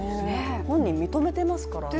本人認めていますからね。